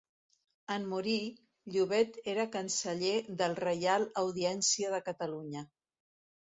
En morir, Llobet era canceller del Reial Audiència de Catalunya.